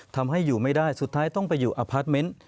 ทำให้อยู่ไม่ได้สุดท้ายต้องไปอยู่อพาร์ทเมนต์